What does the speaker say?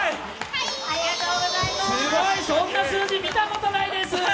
すごい、そんな数字見たことないです！